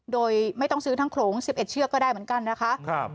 โดยไม่ต้องซื้อทั้งโขลง๑๑เชือกก็ได้เหมือนกันนะคะ